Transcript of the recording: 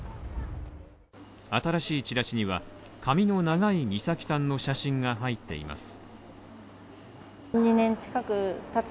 新しいチラシには髪の長い美咲さんの写真が入っています。